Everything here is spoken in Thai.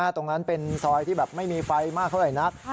ตรงนั้นเป็นซอยที่แบบไม่มีไฟมากเท่าไหร่นัก